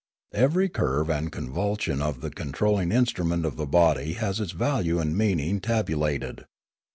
Every curve and convolution of the controlling instrument of the body has its value and meaning tabu lated.